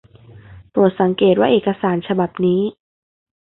โปรดสังเกตว่าเอกสารฉบับนี้